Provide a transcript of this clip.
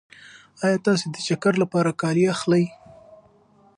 ایا تاسې د چکر لپاره کالي اخلئ؟